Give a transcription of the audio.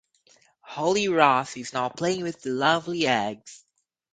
Holly Ross is now playing with The Lovely Eggs.